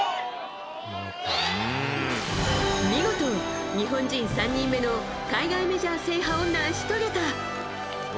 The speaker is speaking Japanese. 見事、日本人３人目の海外メジャー制覇を成し遂げた。